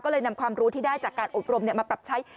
ก็เลยนำความรู้ที่ได้จากการอบรมมาปรับใช้